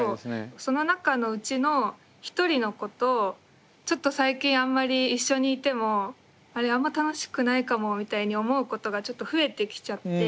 その中のうちの１人の子とちょっと最近あんまり一緒にいても「あれあんま楽しくないかも」みたいに思うことがちょっと増えてきちゃって。